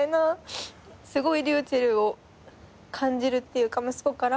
すごいｒｙｕｃｈｅｌｌを感じるっていうか息子から。